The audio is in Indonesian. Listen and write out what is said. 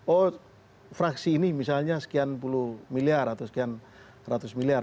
oh fraksi ini misalnya sekian puluh miliar atau sekian ratus miliar